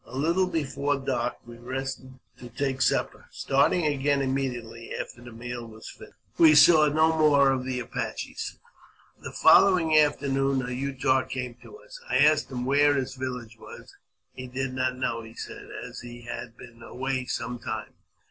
A little before dark we rested to take supper, starting again immediately after the meal was finished. We saw no more of ihe Apaches. 414 AUTOBIOGBAPEY OF The following afternoon a Utah came to us. I asked him where his village was. He did not know, he said, as he had been away some time.